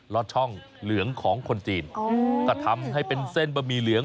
อดช่องเหลืองของคนจีนก็ทำให้เป็นเส้นบะหมี่เหลือง